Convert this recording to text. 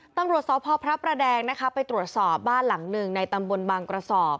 ตำรวจสพพระประแดงนะคะไปตรวจสอบบ้านหลังหนึ่งในตำบลบางกระสอบ